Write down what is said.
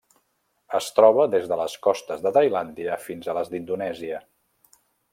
Es troba des de les costes de Tailàndia fins a les d'Indonèsia.